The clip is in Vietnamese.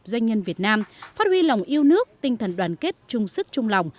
doanh nhân việt nam phát huy lòng yêu nước tinh thần đoàn kết trung sức trung lòng